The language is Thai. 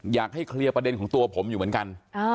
อยากให้เคลียร์ประเด็นของตัวผมอยู่เหมือนกัน